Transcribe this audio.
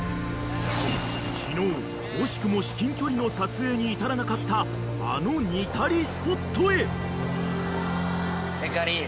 ［昨日惜しくも至近距離の撮影に至らなかったあのニタリスポットへ］